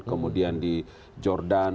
kemudian di jordan